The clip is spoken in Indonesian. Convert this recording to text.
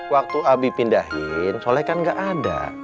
waktu abi pindahin soleh kan gak ada